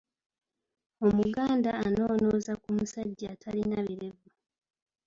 Omuganda anonooza ku musajja atalina birevu.